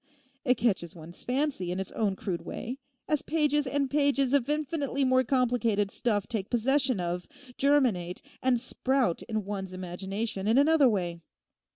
It catches one's fancy in its own crude way, as pages and pages of infinitely more complicated stuff take possession of, germinate, and sprout in one's imagination in another way.